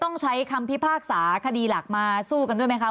ต้องใช้คำพิพากษาคดีหลักมาสู้